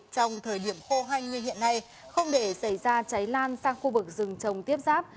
trong thời điểm khô hanh như hiện nay không để xảy ra cháy lan sang khu vực rừng trồng tiếp giáp